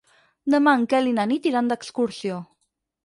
Demà en Quel i na Nit iran d'excursió.